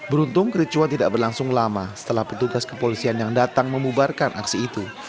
beruntung kericuan tidak berlangsung lama setelah petugas kepolisian yang datang memubarkan aksi itu